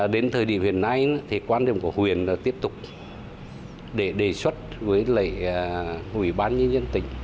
đến thời điểm hiện nay quan điểm của huyện là tiếp tục để đề xuất với ubnd tỉnh